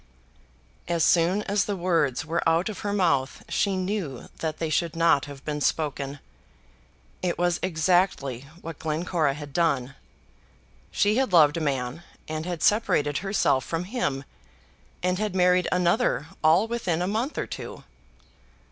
As soon as the words were out of her mouth she knew that they should not have been spoken. It was exactly what Glencora had done. She had loved a man and had separated herself from him and had married another all within a month or two.